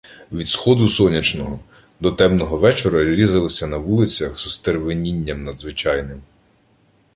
Від сходу сонячного до темного вечора різалися на вулицях з остервенінням надзвичайним